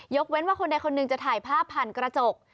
เว้นว่าคนใดคนหนึ่งจะถ่ายภาพผ่านกระจก